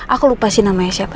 aku lupa sih namanya siapa